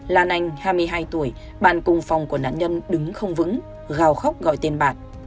làn anh hai mươi hai tuổi bạn cùng phòng của nạn nhân đứng không vững gào khóc gọi tên bạn